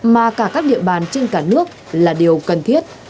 mà cả các địa bàn trên cả nước là điều cần thiết